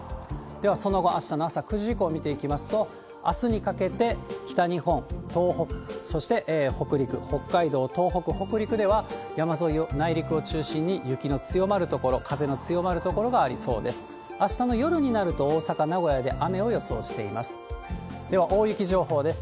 では、その後、あしたの朝９時以降見ていきますと、あすにかけて北日本、東北、そして北陸、北海道、東北、北陸では、山沿いを、内陸を中心に雪の強まる所、風の強まる所がありそうです。